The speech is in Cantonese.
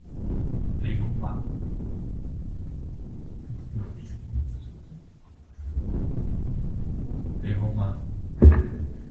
留意最多只係入十四個字